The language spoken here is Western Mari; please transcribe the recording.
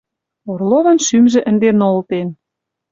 Орловын шӱмжӹ ӹнде нолтен